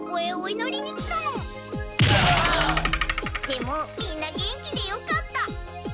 でもみんな元気でよかった！